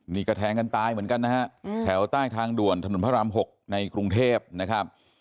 นี่ก็แทงกันตายเหมือนกันนะฮะแถวใต้ทางด่วนถนนพระราม๖ในกรุงเทพนะครับ